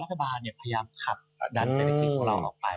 รัฐบาลพยายามขับดันเศรษฐกิจของเราออกไป